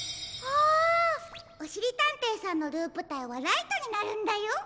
おしりたんていさんのループタイはライトになるんだよ！